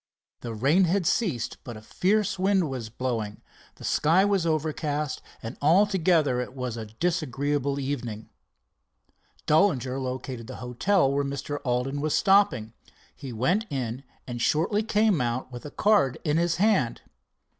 The rain had ceased, but a fierce wind was blowing, the sky was overcast, and altogether it was a disagreeable evening. Dollinger located the hotel where Mr. Alden was stopping. He went in and shortly came out with a card in his hand.